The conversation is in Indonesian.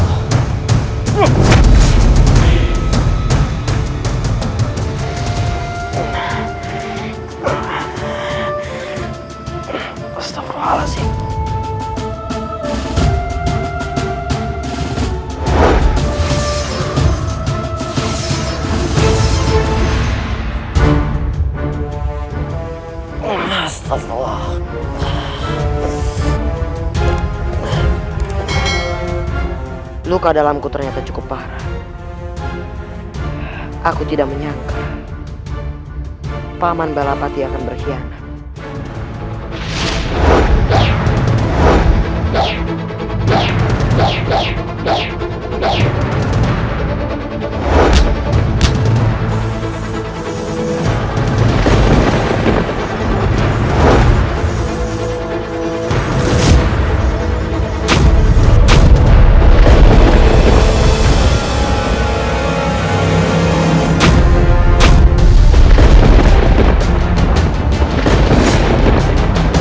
masa allah luka dalamku ternyata cukup parah aku tidak menyangka paman balapati akan berkhianat